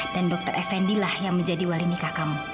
dan dokter fnd lah yang menjadi wali nikah kamu